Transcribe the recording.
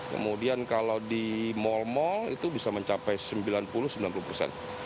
kemudian kalau di mal mal itu bisa mencapai sembilan puluh sembilan puluh persen